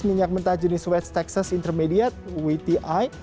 minyak mentah jenis white texas intermediate wti